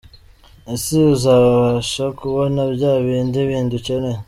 Ese uzabasha kubona bya bindi bindi ukeneye.